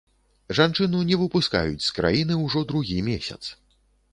Жанчыну не выпускаюць з краіны ўжо другі месяц.